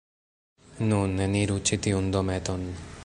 Nun, eniru ĉi tiun dometon...